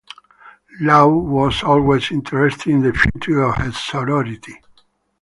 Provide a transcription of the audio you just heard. Low was always interested in the future of her sorority.